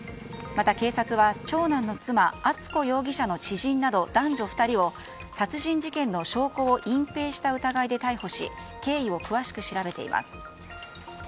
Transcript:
また、警察は長男の妻敦子容疑者の知人など男女２人を、殺人事件の証拠を隠蔽した疑いで逮捕し経緯を詳しく調べています。